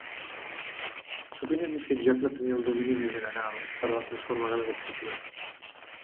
Sovint és desitjable tenir el domini més general per a la transformada de Fourier.